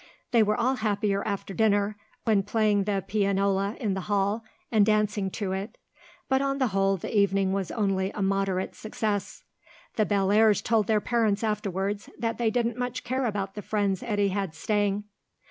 They were all happier after dinner, when playing the pianola in the hall and dancing to it. But on the whole the evening was only a moderate success. The Bellairs' told their parents afterwards that they didn't much care about the friends Eddy had staying.